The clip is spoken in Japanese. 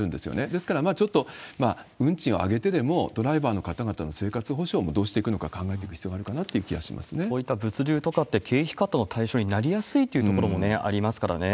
ですから、ちょっと運賃を上げてでも、ドライバーの方々の生活保証もどうしていくのか考えていく必要がこういった物流とかって、経費カットの対象になりやすいっていうこともありますからね。